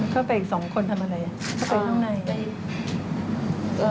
เข้าไปอีกสองคนทำอะไรอ่ะเข้าไปข้างใน